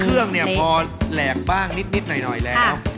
เครื่องเนี่ยพอแหลกบ้างนิดหน่อยแล้ว